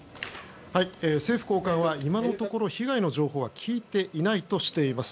政府高官は今のところ被害の情報は聞いていないとしています。